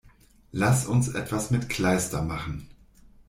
Lass uns etwas mit Kleister machen!